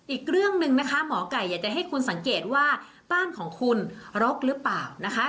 อีกเรื่องหนึ่งนะคะหมอไก่อยากจะให้คุณสังเกตว่าบ้านของคุณรกหรือเปล่านะคะ